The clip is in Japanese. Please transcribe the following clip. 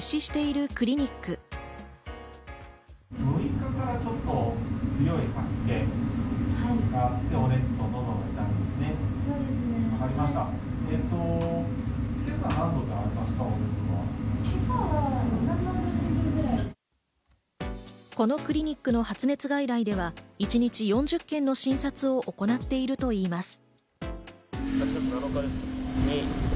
このクリニックの発熱外来では一日４０件の診察を行っているといいます。